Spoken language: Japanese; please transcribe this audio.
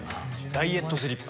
ダイエットスリッパ。